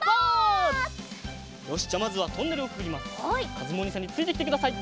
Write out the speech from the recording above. かずむおにいさんについてきてください。